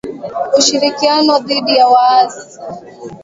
Ushirikiano dhidi ya waasi